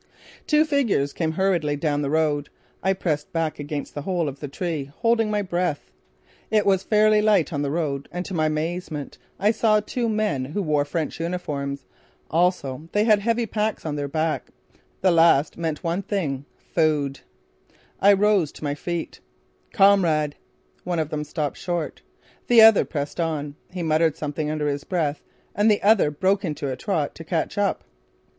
Two figures came hurriedly down the road. I pressed back against the hole of the tree, holding my breath. It was fairly light on the road and to my amazement I saw two men who wore French uniforms. Also they had heavy packs on their back. That last meant but one thing food. I rose to my feet: "Kamerad!" One of them stopped short. The other pressed on. He muttered something under his breath and the other broke into a trot to catch up.